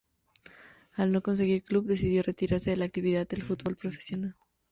Al no conseguir club, decidió retirarse de la actividad del fútbol profesional.